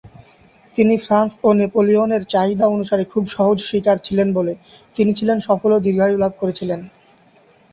তিনি ফ্রান্স ও নেপোলিয়নের চাহিদা অনুসারে খুব সহজ শিকার ছিলেন বলে, তিনি ছিলেন সফল ও দীর্ঘায়ু লাভ করেছিলেন।